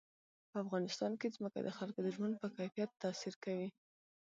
په افغانستان کې ځمکه د خلکو د ژوند په کیفیت تاثیر کوي.